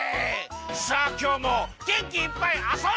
さあきょうもげんきいっぱいあそんじゃうぞ！